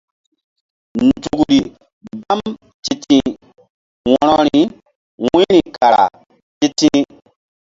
Nzukri mgbam ti̧ti̧h wo̧rori wu̧yri kara ti̧ti̧h.